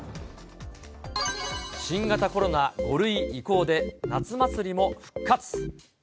新型コロナ５類移行で、夏祭りも復活。